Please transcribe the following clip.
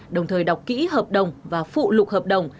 đồng thời đọc kỹ hợp đồng và phụ lục hợp đồng